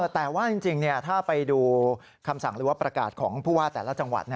แต่ว่าจริงถ้าไปดูคำสั่งหรือว่าประกาศของผู้ว่าแต่ละจังหวัด